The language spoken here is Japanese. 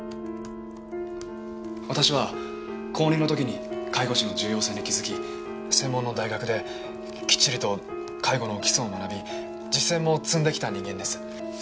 私は高２の時に介護士の重要性に気づき専門の大学できっちりと介護の基礎を学び実践も積んできた人間です。